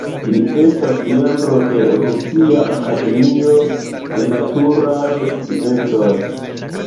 Li estas membro de Rusia Akademio de Naturaj Sciencoj.